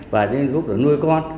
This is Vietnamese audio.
và đến lúc đó nuôi con